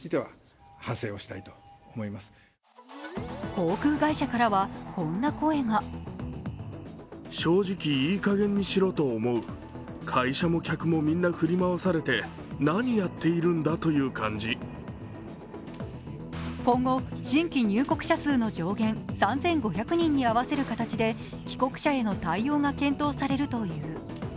航空会社からはこんな声が今後、新規入国者数の上限３５００人に合わせる形で帰国者への対応が検討されるという。